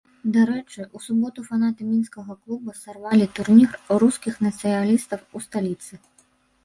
Дарэчы, у суботу фанаты мінскага клуба сарвалі турнір рускіх нацыяналістаў у сталіцы.